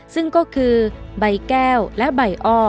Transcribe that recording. ซึ่งก็คือใบแก้วและใบอ้อ